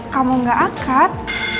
kamu gak angkat